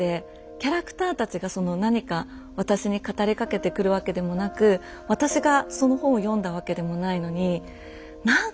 キャラクターたちがその何か私に語りかけてくるわけでもなく私がその本を読んだわけでもないのに何かその本燃やしたくなくて。